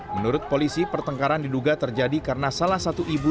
menurut polisi pertengkaran diduga terjadi karena salah satu ibu